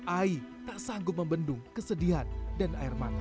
ai tak sanggup membendung kesedihan dan air mata